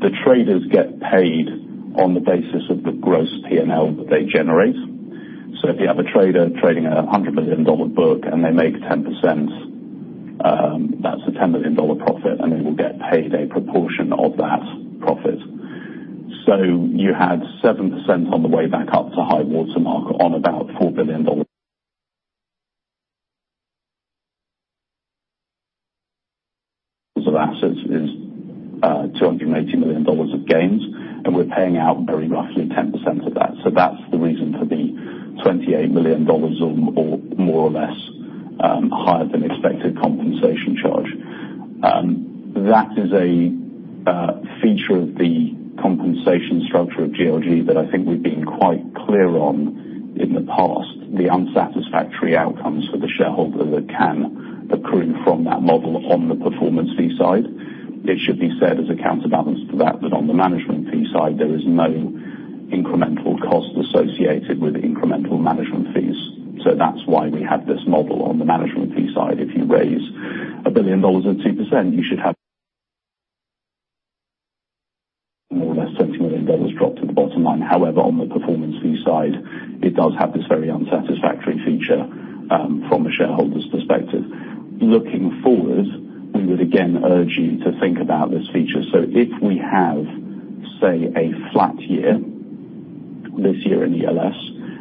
The traders get paid on the basis of the gross P&L that they generate. If you have a trader trading a GBP 100 million book and they make 10%, that's a GBP 10 million profit. They will get paid a proportion of that profit. You had 7% on the way back up to high-water mark on about GBP 4 billion of assets is GBP 280 million of gains. We're paying out very roughly 10% of that. That's the reason for the GBP 28 million or more or less higher than expected compensation charge. That is a feature of the compensation structure of GLG that I think we've been quite clear on in the past, the unsatisfactory outcomes for the shareholder that can accrue from that model on the performance fee side. It should be said as a counterbalance to that on the management fee side, there is no incremental cost associated with incremental management fees. That's why we have this model on the management fee side. If you raise $1 billion at 2%, you should have more or less $20 million drop to the bottom line. However, on the performance fee side, it does have this very unsatisfactory feature from a shareholder's perspective. Looking forward, we would again urge you to think about this feature. If we have, say, a flat year this year in ELS,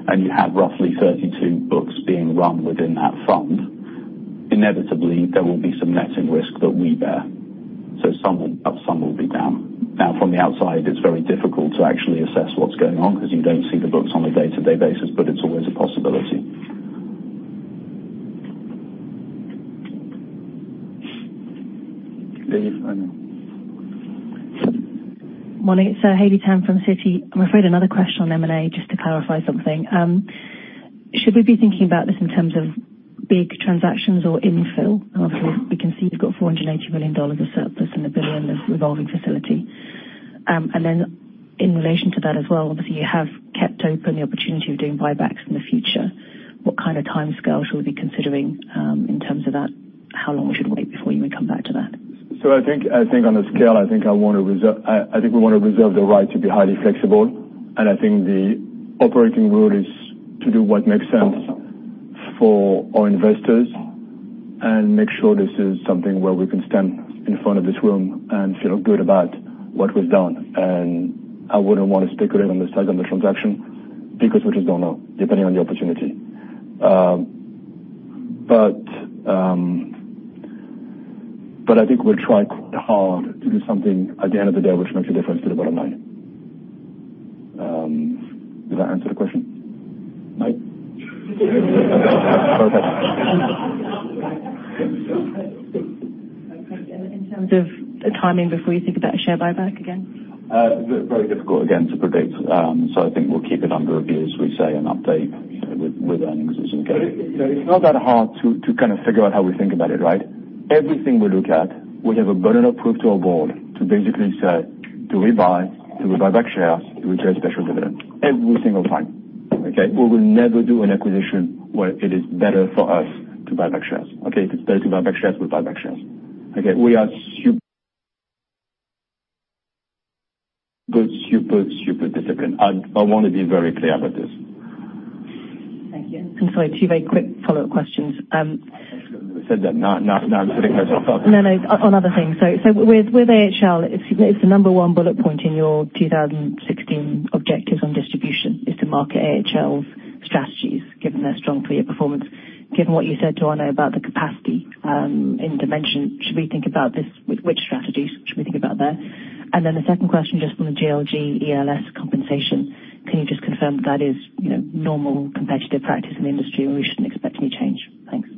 and you have roughly 32 books being run within that fund, inevitably there will be some netting risk that we bear. Some will be up, some will be down. From the outside, it's very difficult to actually assess what's going on because you don't see the books on a day-to-day basis, but it's always a possibility. Dave, I mean. Morning. It's Haley Tan from Citi. I'm afraid another question on M&A, just to clarify something. Should we be thinking about this in terms of big transactions or infill? We can see you've got $480 million of surplus and $1 billion of revolving facility. In relation to that as well, you have kept open the opportunity of doing buybacks in the future. What kind of timescale should we be considering in terms of that? How long we should wait before you may come back to that? On the scale, I think we want to reserve the right to be highly flexible. The operating rule is to do what makes sense for our investors and make sure this is something where we can stand in front of this room and feel good about what was done. I wouldn't want to speculate on the size of the transaction because we just don't know, depending on the opportunity. I think we'll try quite hard to do something at the end of the day which makes a difference to the bottom line. Does that answer the question? No? Okay. In terms of the timing before you think about a share buyback again? Very difficult, again, to predict. I think we'll keep it under review, as we say, and update with earnings as we go. It's not that hard to kind of figure out how we think about it, right? Everything we look at, we have a burden of proof to our board to basically say, do we buy? Do we buy back shares? Do we pay a special dividend? Every single time. Okay. We will never do an acquisition where it is better for us to buy back shares. Okay? If it's better to buy back shares, we'll buy back shares. Okay. We are super disciplined. I want to be very clear about this. Thank you. Sorry, two very quick follow-up questions. I said that not putting myself up. No, no. On other things. With AHL, it's the number 1 bullet point in your 2016 objectives on distribution is to market AHL's strategies, given their strong three-year performance. Given what you said to Arnaud about the capacity in Dimension, should we think about this, which strategies should we think about there? The second question, just on the GLG ELS compensation. Can you just confirm that is normal competitive practice in the industry and we shouldn't expect any change? Thanks.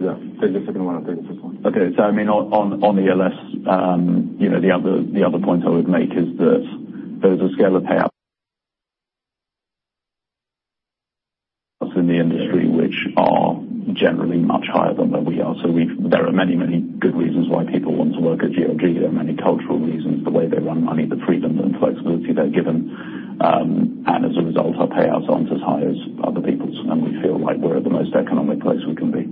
Yeah. Take the second one and take the first one. I mean, on ELS, the other point I would make is that there is a scale of payout in the industry, which are generally much higher than we are. There are many, many good reasons why people want to work at GLG. There are many cultural reasons, the way they run money, the freedom and flexibility they're given. As a result, our payouts aren't as high as other people's, and we feel like we're at the most economic place we can be.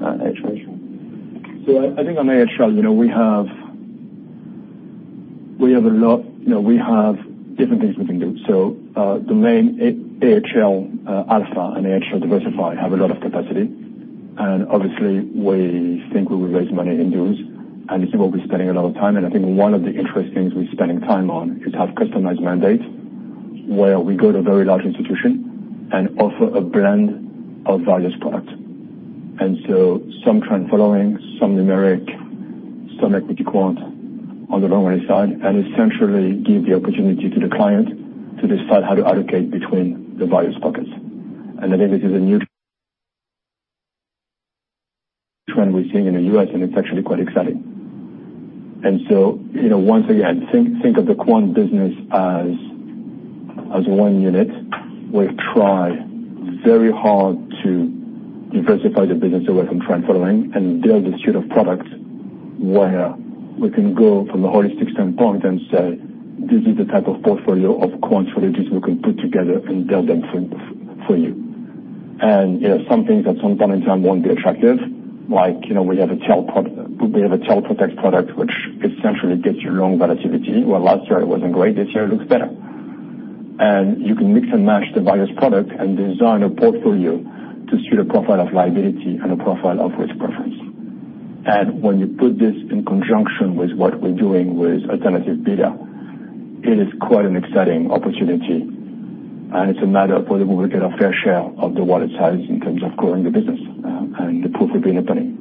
AHL. I think on AHL, we have different things we can do. The main AHL Alpha and AHL Diversified have a lot of capacity. Obviously, we think we will raise money in those, and it's what we're spending a lot of time. I think one of the interesting things we're spending time on is have customized mandates, where we go to a very large institution and offer a blend of various products. Some trend following, some Numeric, some equity quant on the long only side, and essentially give the opportunity to the client to decide how to allocate between the various pockets. I think this is a new trend we're seeing in the U.S., and it's actually quite exciting. Once again, think of the quant business as one unit. We've tried very hard to diversify the business away from trend following and build a suite of products where we can go from a holistic standpoint and say, "This is the type of portfolio of quant strategies we can put together and build them for you." Some things at some point in time won't be attractive. Like, we have a Tail Protect product, which essentially gets you long volatility. Well, last year it wasn't great. This year it looks better. You can mix and match the various products and design a portfolio to suit a profile of liability and a profile of risk preference. When you put this in conjunction with what we're doing with alternative beta, it is quite an exciting opportunity. It's a matter of whether we will get a fair share of the wallet size in terms of growing the business, and the pool could be in the plenty.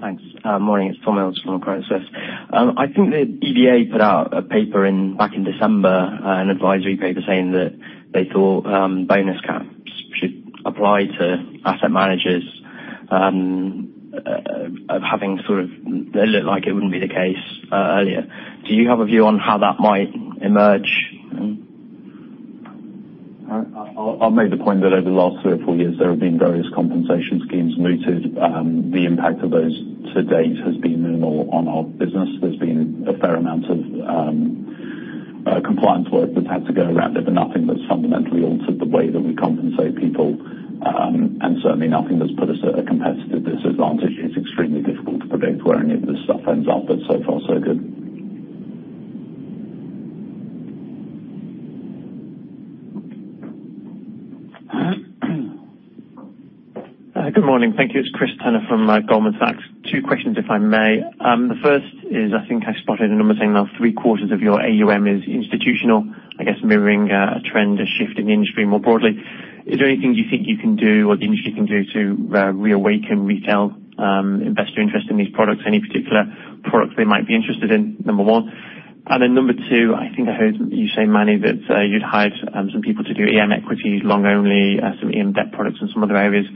Thanks. Morning, it's Tom Mills from Credit Suisse. I think that EBA put out a paper back in December, an advisory paper, saying that they thought bonus caps should apply to asset managers. They looked like it wouldn't be the case earlier. Do you have a view on how that might emerge? I'll make the point that over the last three or four years, there have been various compensation schemes mooted. The impact of those to date has been minimal on our business. There's been a fair amount of compliance work that had to go around it, nothing that's fundamentally altered the way that we compensate people. Certainly nothing that's put us at a competitive disadvantage. It's extremely difficult to predict where any of this stuff ends up, so far so good. Good morning. Thank you. It's Chris Turner from Goldman Sachs. Two questions if I may. The first is, I think I spotted a number saying that three quarters of your AUM is institutional, I guess mirroring a trend, a shift in the industry more broadly. Is there anything you think you can do or the industry can do to reawaken retail investor interest in these products? Any particular products they might be interested in, number one. Then number two, I think I heard you say, Manny, that you'd hired some people to do EM equity, long only, some EM debt products and some other areas.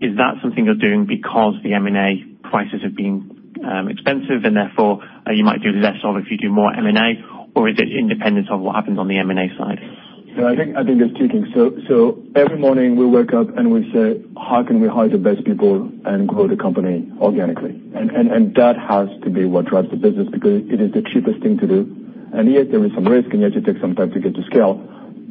Is that something you're doing because the M&A prices have been expensive and therefore you might do less of if you do more M&A, or is it independent of what happens on the M&A side? I think there's two things. Every morning we wake up and we say, "How can we hire the best people and grow the company organically?" That has to be what drives the business because it is the cheapest thing to do. Yes, there is some risk, and yes, it takes some time to get to scale.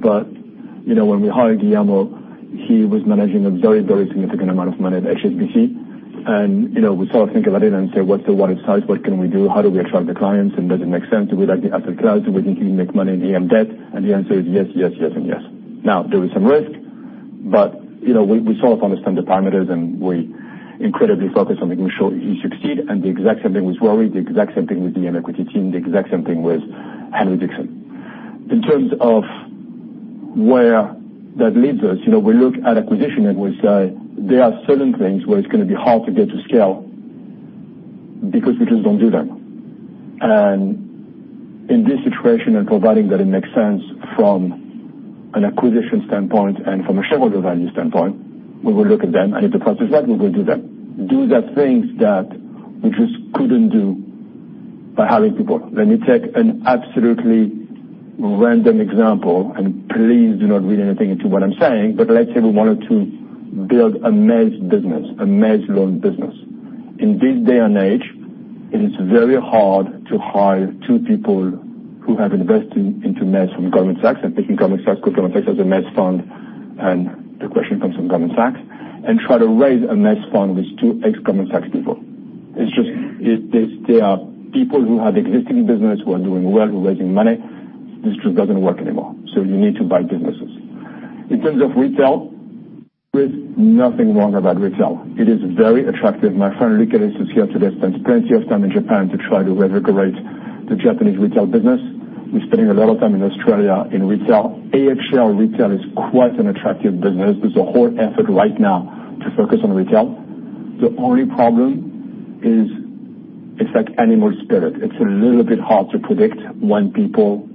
When we hired Guillermo, he was managing a very, very significant amount of money at HSBC. We sort of think about it and say, "What's the water size? What can we do? How do we attract the clients, and does it make sense? Do we like the asset class? Do we think we make money in EM debt?" The answer is yes, yes, and yes. There is some risk, we sort of understand the parameters, we incredibly focus on making sure we succeed, the exact same thing with Rory, the exact same thing with the equity team, the exact same thing with Henry Dixon. In terms of where that leads us, we look at acquisition and we say there are certain things where it's going to be hard to get to scale because we just don't do them. In this situation, providing that it makes sense from an acquisition standpoint and from a shareholder value standpoint, we will look at them. If the price is right, we will do them. Do the things that we just couldn't do by hiring people. Let me take an absolutely random example, please do not read anything into what I'm saying, let's say we wanted to build a mezz business, a mezz loan business. In this day and age, it is very hard to hire two people who have invested into mezz from Goldman Sachs picking Goldman Sachs because Goldman has a mezz fund, the question comes from Goldman Sachs, try to raise a mezz fund with two ex-Goldman Sachs people. They are people who have existing business, who are doing well, who are raising money. This just doesn't work anymore. You need to buy businesses. In terms of retail, there is nothing wrong about retail. It is very attractive. My friend, Rick Ellis, who's here today, spent plenty of time in Japan to try to revigorate the Japanese retail business. We're spending a lot of time in Australia in retail. AHL retail is quite an attractive business. There's a whole effort right now to focus on retail. The only problem is it's like animal spirit. It's a little bit hard to predict when people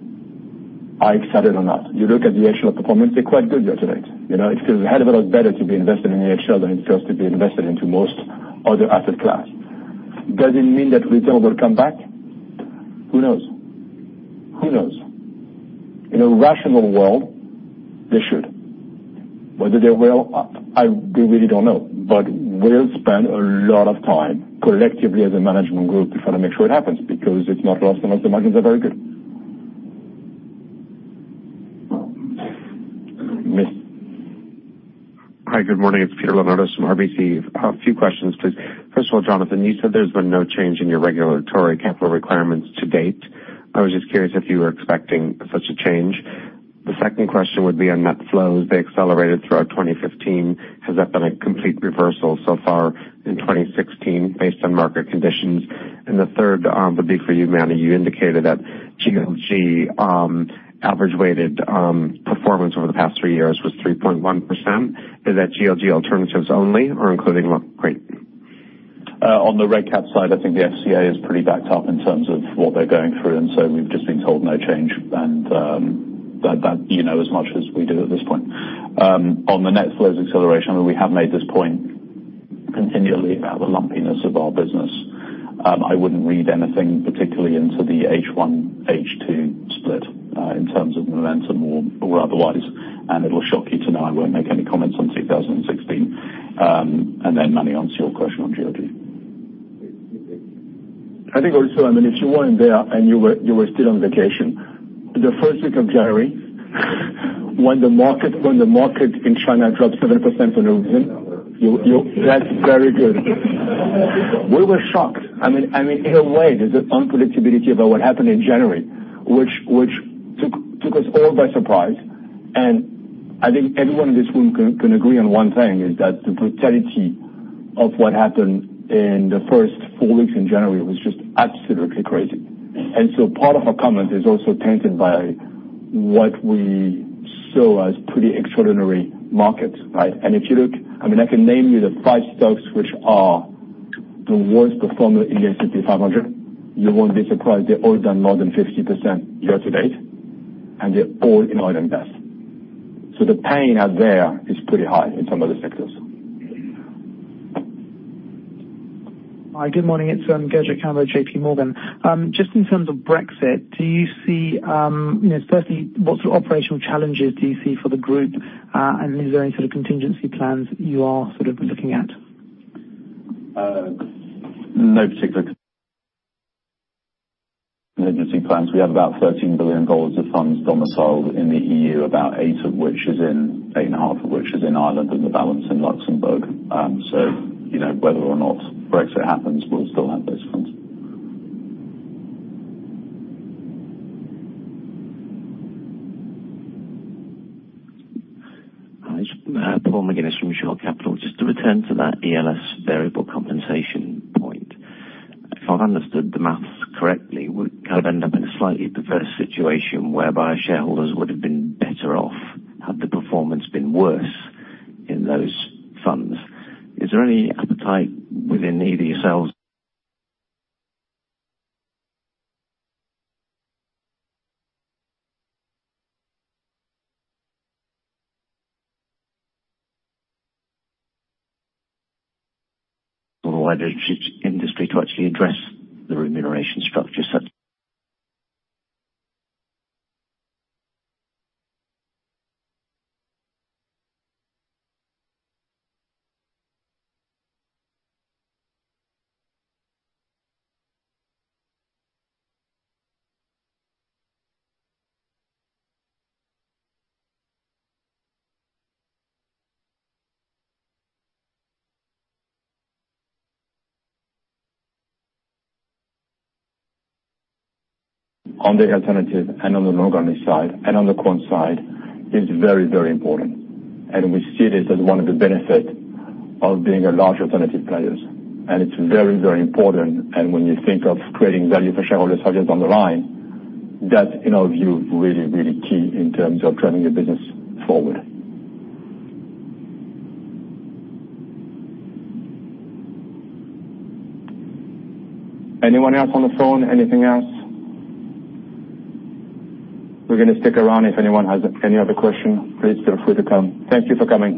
are excited or not. You look at the actual performance, they're quite good year to date. It feels a hell of a lot better to be invested in AHL than it feels to be invested into most other asset class. Does it mean that return will come back? Who knows. In a rational world, they should. Whether they will, we really don't know. We'll spend a lot of time collectively as a management group to try to make sure it happens, because it's not lost on us the margins are very good. Hi, good morning. It's Peter Lenarcic from RBC. A few questions, please. First of all, Jonathan, you said there's been no change in your regulatory capital requirements to date. I was just curious if you were expecting such a change. The second question would be on net flows. They accelerated throughout 2015. Has that been a complete reversal so far in 2016, based on market conditions? The third would be for you, Manny. You indicated that GLG average weighted performance over the past three years was 3.1%. Is that GLG alternatives only or including? On the reg cap side, I think the FCA is pretty backed up in terms of what they're going through. We've just been told no change, that you know as much as we do at this point. On the net flows acceleration, we have made this point continually about the lumpiness of our business. I wouldn't read anything particularly into the H1, H2 split, in terms of momentum or otherwise. It'll shock you to know I won't make any comments on 2016. Manny, answer your question on GLG. I think also, if you weren't there and you were still on vacation, the first week of January, when the market in China dropped 7% for no reason, that's very good. We were shocked. In a way, there's an unpredictability about what happened in January, which took us all by surprise. I think everyone in this room can agree on one thing, is that the brutality of what happened in the first four weeks in January was just absolutely crazy. Part of our comment is also tainted by what we saw as pretty extraordinary markets. I can name you the five stocks which are the worst performer in the S&P 500. You won't be surprised, they've all done more than 50% year to date, and they're all in oil and gas. The pain out there is pretty high in some of the sectors. Hi. Good morning. It's Gurjit Kambo, JPMorgan. Just in terms of Brexit, certainly, what operational challenges do you see for the group? Is there any sort of contingency plans you are looking at? No particular contingency plans. We have about GBP 13 billion of funds domiciled in the EU, about 8.5 billion of which is in Ireland, and the balance in Luxembourg. Whether or not Brexit happens, we'll still have those funds. Hi. Paul McGinnis from Shore Capital. Just to return to that ELS variable compensation point. If I've understood the math correctly, we kind of end up in a slightly perverse situation whereby shareholders would have been better off had the performance been worse in those funds. Is there any appetite within either yourselves or wider industry to actually address the remuneration structure such. On the alternative, and on the long only side, and on the quant side, is very important. We see this as one of the benefit of being a large alternative players. It's very important, and when you think of creating value for shareholders, having it on the line, that's in our view, really key in terms of driving a business forward. Anyone else on the phone? Anything else? We're going to stick around if anyone has any other question, please feel free to come. Thank you for coming.